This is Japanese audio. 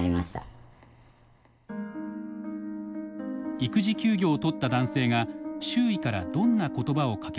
育児休業を取った男性が周囲からどんな言葉をかけられたのか。